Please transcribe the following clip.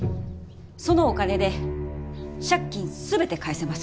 そのお金で借金全て返せます。